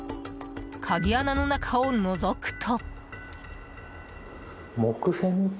鍵穴の中をのぞくと。